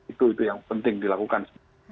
itu yang penting dilakukan